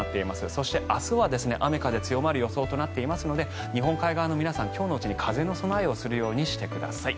そして、明日は雨、風強まる予想となっていますので日本海側の皆さん今日のうちに風の備えをするようにしてください。